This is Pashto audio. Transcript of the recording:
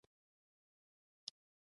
آزاد تجارت مهم دی ځکه چې کیفیت لوړوي.